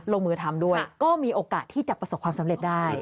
ลงมือทำด้วยก็มีโอกาสที่จะประสบความสำเร็จได้